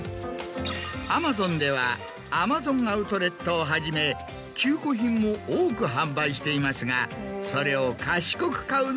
Ａｍａｚｏｎでは「Ａｍａｚｏｎアウトレット」をはじめ中古品も多く販売していますが。